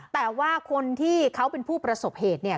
แต่ว่าคนที่เขาเป็นผู้ประสบเหตุเนี่ย